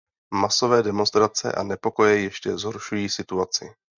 Masové demonstrace a nepokoje ještě zhoršují situaci.